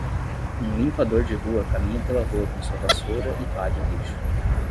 Um limpador de rua caminha pela rua com sua vassoura e pá de lixo.